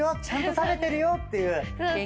ちゃんと食べてるよっていう。